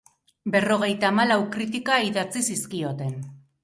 Berrogeita hamalau kritika idatzi zizkioten.